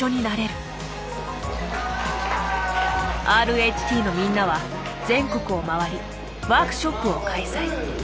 踊ることでＲＨＴのみんなは全国を回りワークショップを開催。